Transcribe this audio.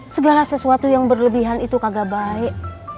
segala sesuatu yang berlebihan itu kagak baik